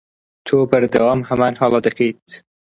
تۆ بەردەوام هەمان هەڵە دەکەیت.